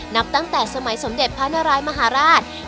นับตั้งแต่สมัยสมเด็จพระนารายมหาราช